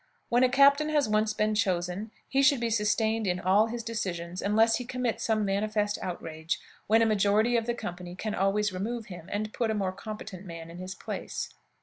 When a captain has once been chosen, he should be sustained in all his decisions unless he commit some manifest outrage, when a majority of the company can always remove him, and put a more competent man in his place.